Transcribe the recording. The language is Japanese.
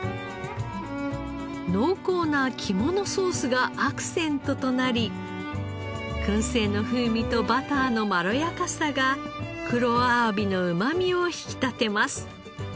濃厚な肝のソースがアクセントとなり燻製の風味とバターのまろやかさが黒あわびのうまみを引き立てます。